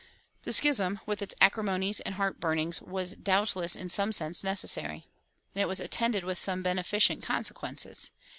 "[250:2] The schism, with its acrimonies and heartburnings, was doubtless in some sense necessary. And it was attended with some beneficent consequences.